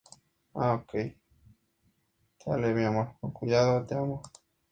Sin embargo, se pueden describir algunas generalidades que facilitan su identificación visual.